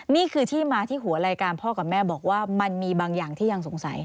นี่คือที่มาที่หัวรายการพ่อกับแม่บอกว่ามันมีบางอย่างที่ยังสงสัย